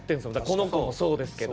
この子もそうですけど。